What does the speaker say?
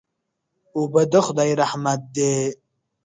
اوبه د خدای رحمت دی.